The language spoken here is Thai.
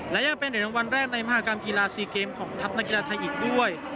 และยังเป็นเหรียญรางวัลแรกในมหากรรมกีฬาซีเกมของทัพนักกีฬาไทยอีกด้วย